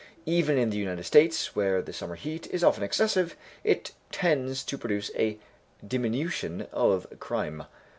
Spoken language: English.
Even in the United States, where the summer heat is often excessive, it tends to produce a diminution of crime.